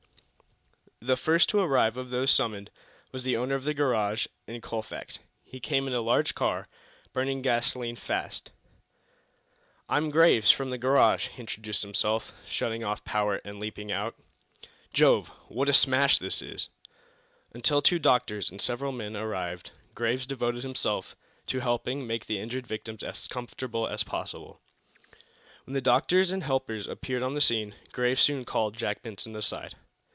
The first to arrive, of those summoned, was the owner of the garage in Colfax. He came in a large car, burning gasoline fast. "I'm Graves, from the garage," he introduced himself, shutting off power and leaping out. "Jove, what a smash this is!" Until two doctors and several men arrived Graves devoted himself to helping make the injured victims as comfortable as possible. When the doctors and helpers appeared on the scene Graves soon called Jack Benson aside.